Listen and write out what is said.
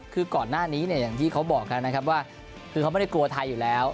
คือก่อนหน้านี้อย่างที่เขาบอกว่าเขาไม่ได้กลัวไทยอยู่แล้ว